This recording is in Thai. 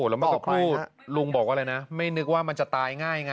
แล้วเมื่อสักครู่ลุงบอกว่าอะไรนะไม่นึกว่ามันจะตายง่ายไง